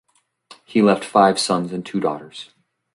He left five sons and two daughters.